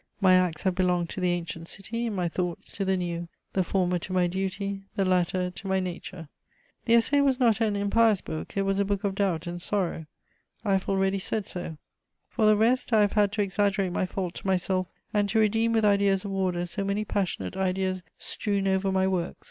My acts have belonged to the ancient city, my thoughts to the new; the former to my duty, the latter to my nature. The Essai was not an impious book; it was a book of doubt and sorrow. I have already said so. For the rest, I have had to exaggerate my fault to myself, and to redeem with ideas of order so many passionate ideas strewn over my works.